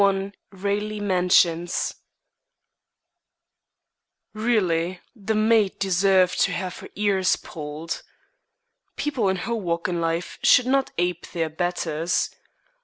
61 RALEIGH MANSIONS Really, the maid deserved to have her ears pulled. People in her walk in life should not ape their betters.